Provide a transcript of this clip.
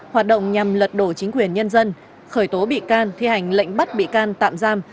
hoạt động nhằm lật đổ chính quyền nhân dân khởi tố bị can thi hành lệnh bắt bị can tạm giam